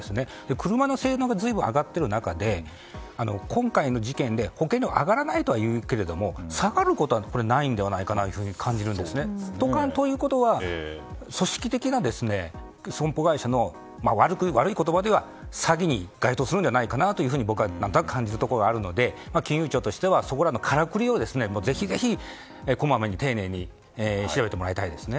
車の性能が随分上がっている中で今回の事件で保険料が上がらないとはいうけれども、下がることはないのではないかなと感じるんですね。ということは、組織的な損保会社の、悪い言葉で言えば詐欺に該当するんじゃないかなと僕は感じるところがあるので金融庁としてはそこらのからくりをぜひぜひ、こまめに丁寧に調べてもらいたいですね。